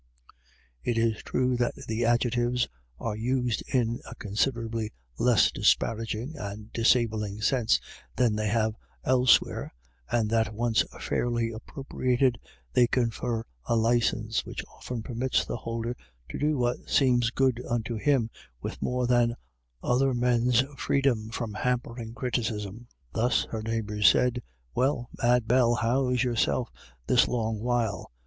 It is true that the adjectives are used in a considerably less disparaging and disabling sense than they have elsewhere, and that, once fairly appropriated, they confer a license which often permits the holder to do what seems good unto him with more than other men's A WET DAY. 83 freedom from hampering criticism. Thus, her neighbours said, " Well, Mad Bell, how's your self this long while